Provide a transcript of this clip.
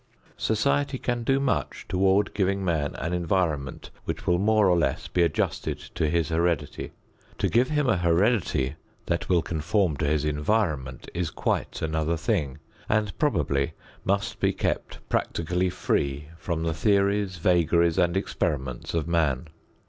Society can do much toward giving man an environment which will more or less be adjusted to his heredity. To give him a heredity that will conform to his environment is quite another thing and probably must be kept practically free from the theories, vagaries and experiments of man.